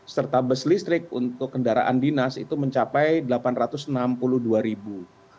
serta bus listrik untuk kendaraan dinas itu mencapai delapan ratus enam puluh dua ribu